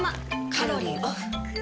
カロリーオフ。